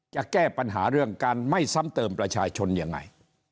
จะแก้ปัญหาเรื่องการไม่ซ้ำเติมประชาชนยังไง